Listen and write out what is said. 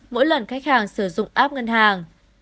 mỗi lần khách hàng sử dụng app ngân hàng